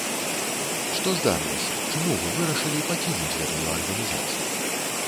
Што здарылася, чаму вы вырашылі пакінуць гэтую арганізацыю?